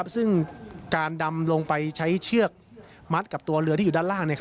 ซึ่งการดำลงไปใช้เชือกมัดกับตัวเรือที่อยู่ด้านล่าง